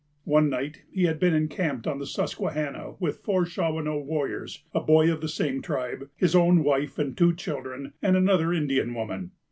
One night, he had been encamped on the Susquehanna, with four Shawanoe warriors, a boy of the same tribe, his own wife and two children, and another Indian woman.